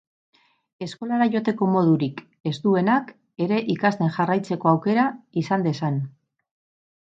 Eskolara joateko modurik ez duenak ere ikasten jarraitzeko aukera izan dezan.